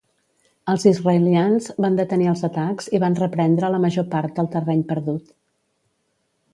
Els israelians van detenir els atacs i van reprendre la major part del terreny perdut.